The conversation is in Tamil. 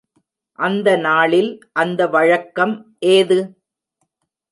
அந்த நாளில் அந்த வழக்கம் ஏது?